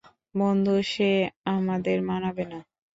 বন্ধু, সে আমাদের মানবে না।